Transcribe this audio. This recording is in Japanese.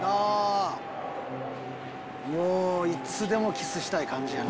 いつでもキスしたい感じや。